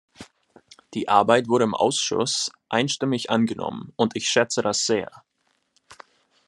Die Arbeit wurde im Ausschuss einstimmig angenommen und ich schätze das sehr.